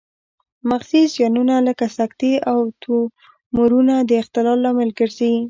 مغزي زیانونه لکه سکتې او تومورونه د اختلال لامل ګرځي